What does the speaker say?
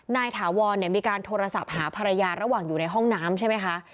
ถาวรมีการโทรศัพท์หาภรรยาระหว่างอยู่ในห้องน้ำใช่ไหมคะ